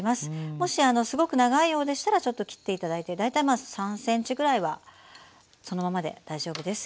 もしすごく長いようでしたらちょっと切って頂いて大体まあ３ｃｍぐらいはそのままで大丈夫です。